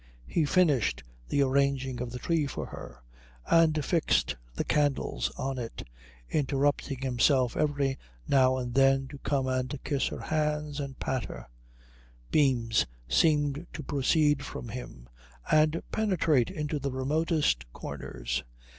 He finished the arranging of the tree for her and fixed the candles on it, interrupting himself every now and then to come and kiss her hands and pat her. Beams seemed to proceed from him and penetrate into the remotest corners.